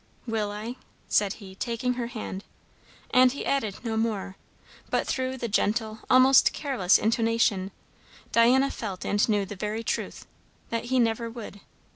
"Will I?" said he, taking her hand. And he added no more, but through the gentle, almost careless intonation, Diana felt and knew the very truth, that he never would.